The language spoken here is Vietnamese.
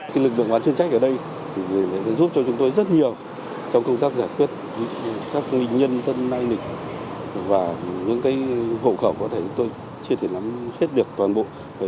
cái lực lượng bán chuyên trách ở đây thì giúp cho chúng tôi rất nhiều trong công tác giải quyết các nguyên nhân thân nai nịch và những cái hậu khẩu có thể tôi chưa thể làm hết được toàn bộ